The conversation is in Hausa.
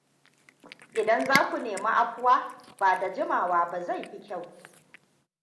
Idan za ku nemi afuwa, ba da jimawa ba zai fi kyau.